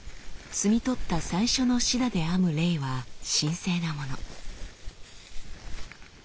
摘み取った最初のシダで編むレイは神聖なもの。